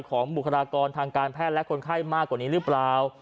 บุคลากรทางการแพทย์และคนไข้มากกว่านี้หรือเปล่า